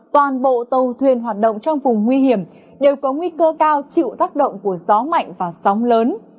toàn bộ tàu thuyền hoạt động trong vùng nguy hiểm đều có nguy cơ cao chịu tác động của gió mạnh và sóng lớn